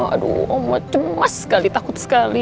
aduh cemas sekali takut sekali